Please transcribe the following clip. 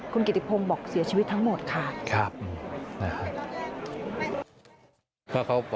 คุณกิติพงบอกเสียชีวิตทั้งหมดค่ะครับนะครับ